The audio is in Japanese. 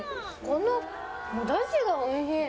このおだしがおいしい